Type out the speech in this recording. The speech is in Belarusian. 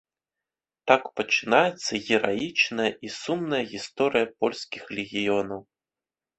Так пачынаецца гераічная і сумная гісторыя польскіх легіёнаў.